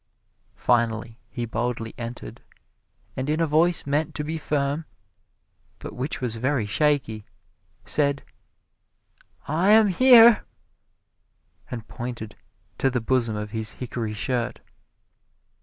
Finally he boldly entered, and in a voice meant to be firm, but which was very shaky, said, "I am here!" and pointed to the bosom of his hickory shirt.